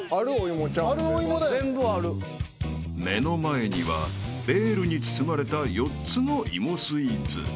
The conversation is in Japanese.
全部あるくない？［目の前にはベールに包まれた４つのいもスイーツ］